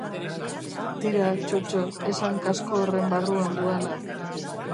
Tira, txotxo, esan kasko horren barruan duana.